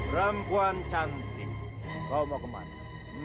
perempuan cantik kau mau kemana